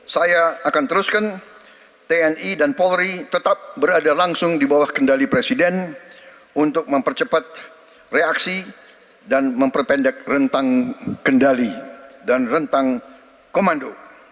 saya akan teruskan tni dan polri tetap berada langsung di bawah kendali presiden untuk mempercepat reaksi dan memperpendek rentang kendali dan rentang komando